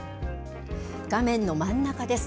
画面の真ん中です。